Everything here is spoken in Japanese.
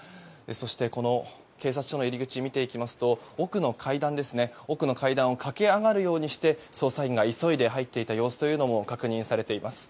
そして、この警察署の入り口を見ていきますと奥の階段を駆け上がるようにして捜査員が急いで入っていた様子も確認されています。